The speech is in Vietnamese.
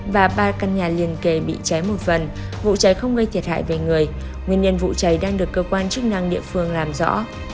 và ba căn nhà liền kề bị cháy một phần vụ cháy không gây thiệt hại về người nguyên nhân vụ cháy đang được cơ quan chức năng địa phương làm rõ